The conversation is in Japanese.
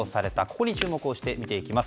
ここに注目して見ていきます。